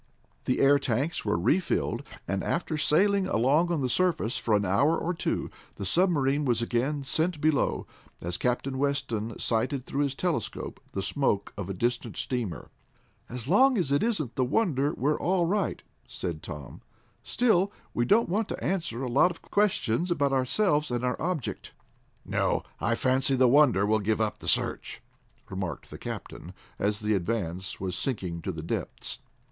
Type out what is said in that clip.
The air tanks were refilled, and after sailing along on the surface for an hour or two, the submarine was again sent below, as Captain Weston sighted through his telescope the smoke of a distant steamer. "As long as it isn't the Wonder, we're all right," said Tom. "Still, we don't want to answer a lot of questions about ourselves and our object." "No. I fancy the Wonder will give up the search," remarked the captain, as the Advance was sinking to the depths.